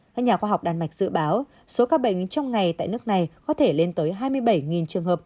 các nhà khoa học đan mạch dự báo số ca bệnh trong ngày tại nước này có thể lên tới hai mươi bảy trường hợp